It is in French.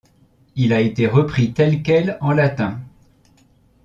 Il a été repris tel quel en latin.